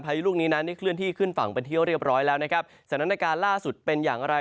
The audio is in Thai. ยุลูกนี้นั้นได้เคลื่อนที่ขึ้นฝั่งเป็นที่เรียบร้อยแล้วนะครับสถานการณ์ล่าสุดเป็นอย่างไร